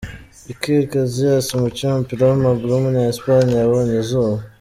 Iker Casillas, umukinnyi w’umupira w’amaguru w’umunya-Espagne yabonye izuba.